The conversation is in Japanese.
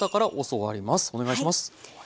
お願いします。